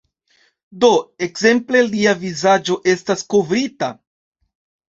Do, ekzemple lia vizaĝo estas kovrita